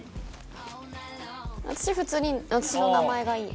私普通に私の名前がいい。